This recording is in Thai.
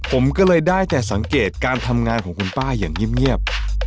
ผมก็เลยได้แต่สังเกตการทำงานของคุณป้าอย่างเงียบ